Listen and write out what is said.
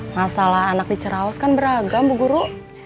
masalah anak di cerawas kan beragam bu guru